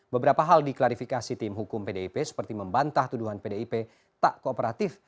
beberapa hal diklarifikasi tim hukum pdip seperti membantah tuduhan pdip tak kooperatif